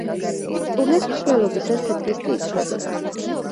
ტურნეს მსვლელობისას სეტლისტი იცვლებოდა.